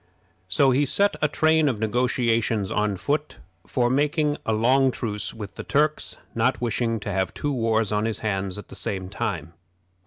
So he set a train of negotiations on foot for making a long truce with the Turks, not wishing to have two wars on his hands at the same time.